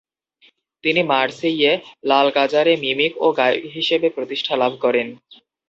তিনি মার্সেইয়ে লালকাজারে মিমিক ও গায়ক হিসেবে প্রতিষ্ঠা লাভ করেন।